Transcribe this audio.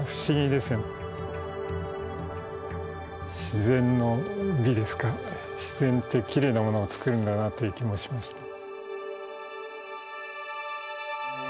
自然の美ですか自然ってきれいなものをつくるんだなという気もしました。